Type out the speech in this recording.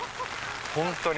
本当に。